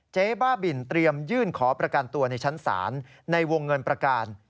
เจ๊บ้าบินเตรียมยื่นขอประกันตัวในชั้นศาลในวงเงินประการ